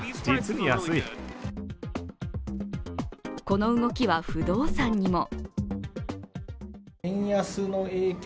この動きは不動産にも。